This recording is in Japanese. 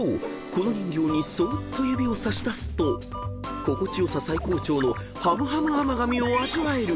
この人形にそっと指を差し出すと心地よさ最高潮のハムハム甘噛みを味わえる］